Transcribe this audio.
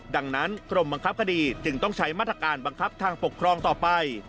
ดังนั้นกรมบังคับคดีจึงต้องใช้มาตรการบังคับทางปกครองต่อไป